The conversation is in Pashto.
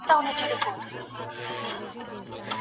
پر خپل ځان ويسا ولرئ.